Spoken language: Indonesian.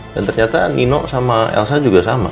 dan ternyata nino sama elsa juga sama